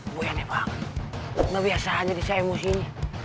biasanya ini yang bisa kendaliin emosi nya